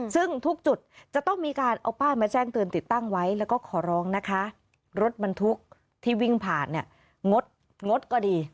ซึ่งทุกจุดจะต้องมีการเอาป้ายมาแจ้งเตือนติดตั้งไว้แล้วก็ขอร้องนะคะรถบรรทุกที่วิ่งผ่านเนี่ยงดงดก็ดี